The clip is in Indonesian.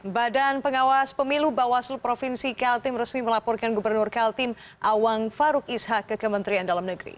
badan pengawas pemilu bawaslu provinsi kaltim resmi melaporkan gubernur kaltim awang faruk isha ke kementerian dalam negeri